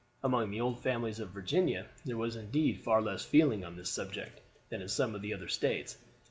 Among the old families of Virginia there was indeed far less feeling on this subject than in some of the other States.